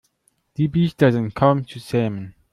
Die Biester sind kaum zu zähmen.